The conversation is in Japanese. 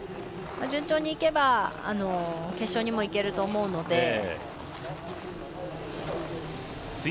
順調にいけば決勝にもいけると思うので。